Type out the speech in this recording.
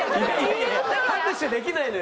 拍手できないのよ